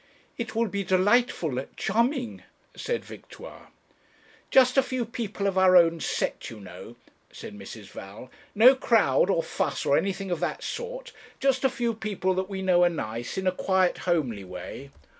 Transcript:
'It will be delightful, charming,' said Victoire. 'Just a few people of our own set, you know,' said Mrs. Val: 'no crowd, or fuss, or anything of that sort; just a few people that we know are nice, in a quiet homely way.'